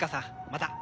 また。